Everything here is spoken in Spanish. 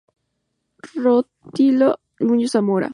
Rutilo Muñoz Zamora.